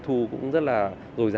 thông tin cá nhân bị mua bán